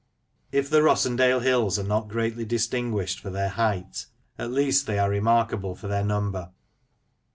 If the Rossendale hills are not greatly distinguished for their height, at least they are remarkable for their number.